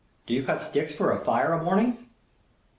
Do you cut sticks for our fire o' mornings?"